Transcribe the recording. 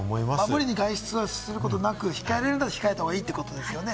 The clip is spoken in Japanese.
無理に外出することなく控えられるなら控えた方がいいということですね。